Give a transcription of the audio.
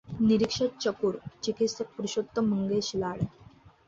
निरीक्षक चकोर चिकित्सक पुरुषोत्तम मंगेश लाड